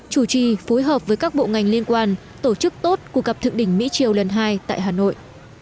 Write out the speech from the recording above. chủ trì phối hợp với các bộ ngành liên quan tổ chức tốt cuộc gặp thượng đỉnh mỹ triều lần hai tại hà nội